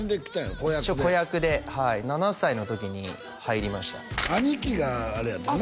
子役で一応子役ではい７歳の時に入りました兄貴があれやったよな？